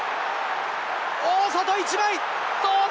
大外１枚、どうだ？